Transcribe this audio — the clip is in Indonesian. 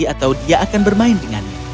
atau dia akan bermain dengannya